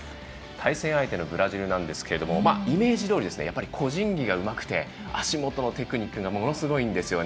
対戦相手のブラジルですがイメージどおり個人技がうまくて足元のテクニックがものすごいんですね。